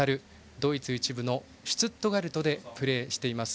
ドイツ１部のシュツットガルトでプレーしています。